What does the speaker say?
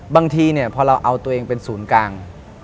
บางทีเนี่ยพอเราเอาตัวเองเป็นศูนย์กลาง